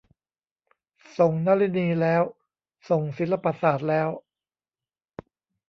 ส่งนลินีแล้ว ส่งศิลปศาสตร์แล้ว.